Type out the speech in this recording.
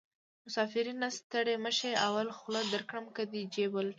مسافرۍ نه ستړی مشې اول خوله درکړم که دې جېب ولټومه